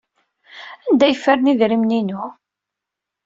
Anda ay ffren idrimen-inu?